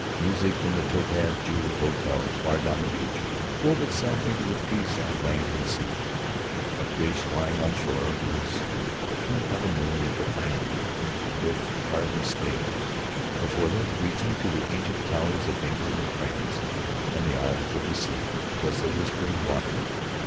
Music from the topaz jeweled hotels far down the beach wove itself into the peace on land and sea. A fish lying on shore was turned by the moon into ivory with carven scales. Before them, reaching to the ancient towers of England and France and the islands of the sea, was the whispering water.